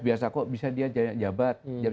biasa kok bisa dia jabat jadi